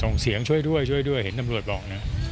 อ่าส่งเสียงช่วยด้วยเห็นตำรวจบอก